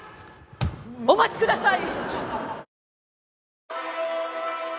お待ちください！